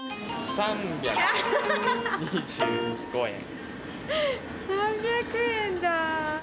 ３００円だー。